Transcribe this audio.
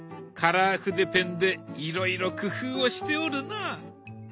カラー筆ペンでいろいろ工夫をしておるな！